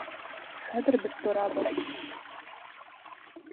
Хәҙер беҙ торабыҙ.